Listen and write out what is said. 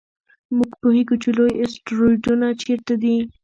موږ پوهېږو چې لوی اسټروېډونه چیرته دي.